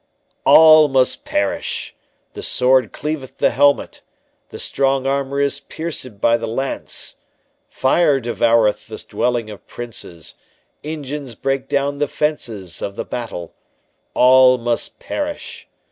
All must perish! The sword cleaveth the helmet; The strong armour is pierced by the lance; Fire devoureth the dwelling of princes, Engines break down the fences of the battle. All must perish!